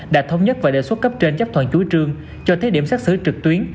đã thống nhất và đề xuất cấp trên chấp thuận chú trương cho thế điểm xét xử trực tuyến